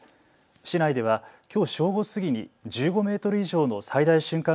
市内ではきょう正午過ぎに１５メートル以上の最大瞬間